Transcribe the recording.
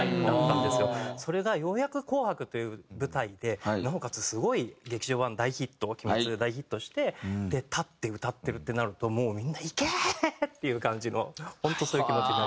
それがようやく『紅白』という舞台でなおかつすごい劇場版大ヒット『鬼滅』が大ヒットして立って歌ってるってなるともうみんないけー！っていう感じの本当そういう気持ちになりました。